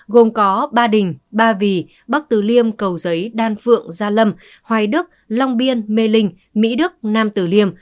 gồm có ba đình ba vì bắc từ liêm cầu giấy đan phượng gia lâm hoài đức long biên mê linh mỹ đức nam tử liêm